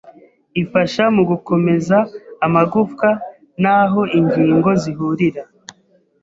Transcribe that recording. ifasha mu gukomeza amagufa n’aho ingingo zihurira,